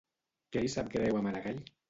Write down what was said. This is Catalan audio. Què li sap greu a Maragall?